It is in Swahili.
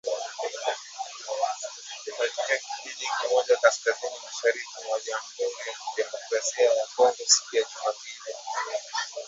katika kijiji kimoja kaskazini mashariki mwa Jamhuri ya Kidemokrasi ya Kongo siku ya Jumapili